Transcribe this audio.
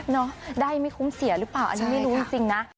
ได้ไม่คุ้มเสียหรือเปล่าอันนี้ไม่รู้จริงนะ